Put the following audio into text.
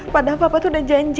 padahal bapak tuh udah janji